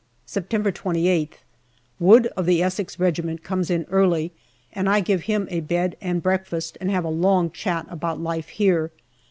September 28th. Wood, of the Essex Regiment, comes in early, and I give him a bed and breakfast and have a long chat about life here.